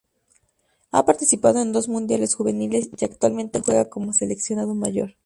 Ha participado en dos mundiales juveniles y actualmente juega como seleccionado mayor.